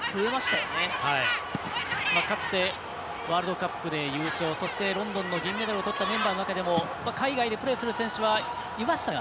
かつて、ワールドカップで優勝、ロンドンで銀メダルをとったメンバーにも海外でプレーする選手はいましたが。